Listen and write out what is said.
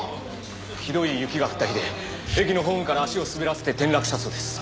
ひどい雪が降った日で駅のホームから足を滑らせて転落したそうです。